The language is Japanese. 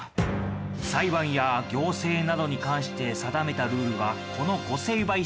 裁判や行政などに関して定めたルールはこの御成敗式目。